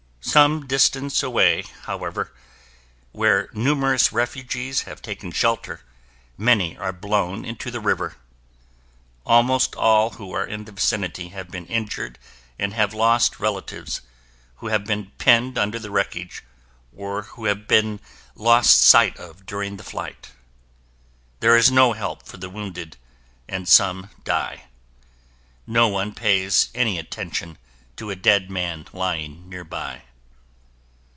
Some distance away, however, where numerous refugees have taken shelter, many are blown into the river. Almost all who are in the vicinity have been injured and have lost relatives who have been pinned under the wreckage or who have been lost sight of during the flight. There is no help for the wounded and some die. No one pays any attention to a dead man lying nearby.